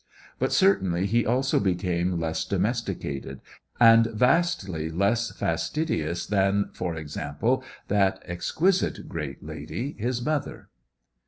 But certainly he also became less domesticated, and vastly less fastidious than, for example, that exquisite great lady, his mother.